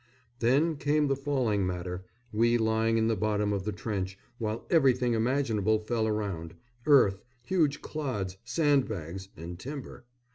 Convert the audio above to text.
Then came the falling matter, we lying in the bottom of the trench, while everything imaginable fell around earth huge clods sandbags and timber.